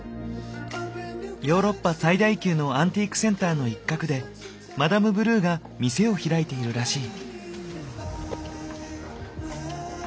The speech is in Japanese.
ヨーロッパ最大級のアンティークセンターの一角でマダムブルーが店を開いているらしい。